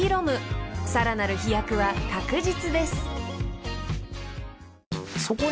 さらなる飛躍は確実です］